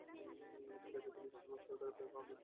ঠিক আছে, তুমি সিনেমার শুরুটা দেখ, আমি পপকর্ন নিয়ে আসছি।